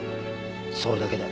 それだけだ。